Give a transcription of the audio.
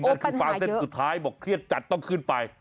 นั่นคือฟางเส้นสุดท้ายบอกเครียดจัดต้องขึ้นไป